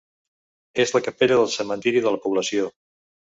És la capella del cementiri de la població.